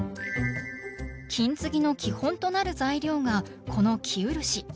金継ぎの基本となる材料がこの生漆。